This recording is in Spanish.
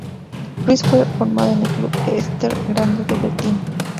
Ruiz fue formado en el club Esther Grande de Bentín.